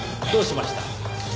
どうしました？